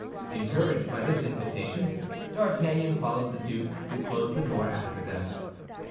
Encouraged by this invitation, D'Artagnan followed the duke, who closed the door after them.